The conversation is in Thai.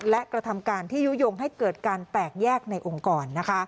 และกระทำการที่ยุโยงให้เกิดการแตกแยกในองค์กร